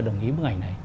đồng ý với bức ảnh này